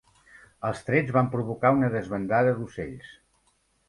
Els trets van provocar una desbandada d'ocells